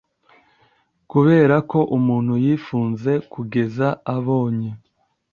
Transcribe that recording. Kuberako umuntu yifunze kugeza abonye